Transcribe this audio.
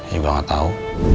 yang juga gak tau